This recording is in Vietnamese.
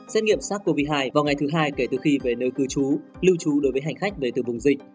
xét nghiệm sars cov hai vào ngày thứ hai kể từ khi về nơi cư trú lưu trú đối với hành khách về từ vùng dịch